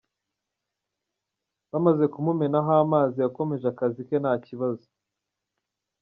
Bamaze kumumenaho amazi yakomeje akazi ke ntakibazo.